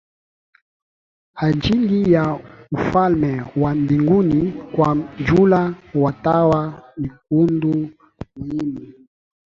ajili ya ufalme wa mbinguni Kwa jumla watawa ni kundi muhimu